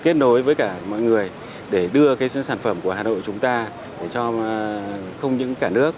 kết nối với cả mọi người để đưa cái sản phẩm của hà nội chúng ta để cho không những cả nước